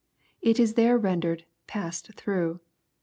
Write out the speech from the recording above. It is there rendered " paaned through."